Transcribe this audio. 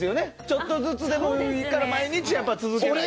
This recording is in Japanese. ちょっとずつでもいいから毎日続ける。